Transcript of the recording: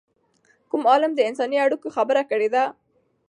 کوم عالم د انساني اړیکو خبره کړې ده؟